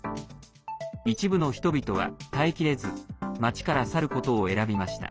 一部の人々は耐えきれず町から去ることを選びました。